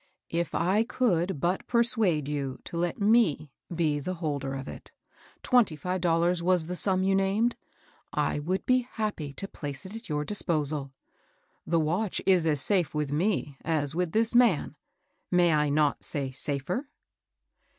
" If I could but persuade you to let me be the holder of it I Twenty five dollars was the sum you named. I would be happy to place it at your dis posal. The watch is as safe with me as with this man, — may I not say safer